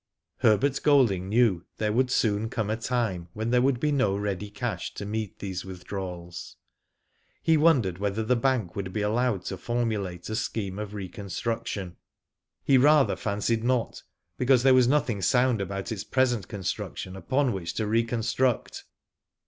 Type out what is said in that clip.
Herbert Golding knew there would soon come a . time when there would be no ready cash to meet these withdrawals. He wondered whether the bank would be allowed to formulate a scheme of reconstruc tion. He rather fancied not, because there was nothing sound about its present construction upon which to reconstruct.